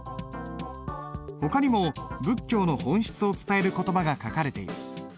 ほかにも仏教の本質を伝える言葉が書かれている。